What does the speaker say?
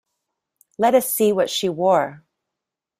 Let us see what she wore.